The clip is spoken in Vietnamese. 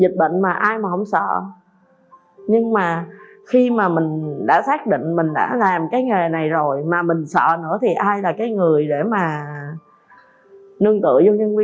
dịch bệnh mà ai mà không sợ nhưng mà khi mà mình đã xác định mình đã làm cái nghề này rồi mà mình sợ nữa thì ai là cái người để mà nương tựa vô nhân viên